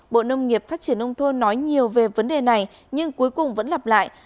bộ nông nghiệp phát triển nông thôn nói nhiều về vấn đề này nhưng cuối cùng vẫn lặp lại